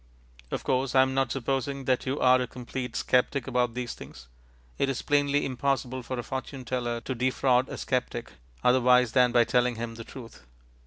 Of course, I am not supposing that you are a complete sceptic about these things. It is plainly impossible for a fortune teller to defraud a sceptic, otherwise than by telling him the truth.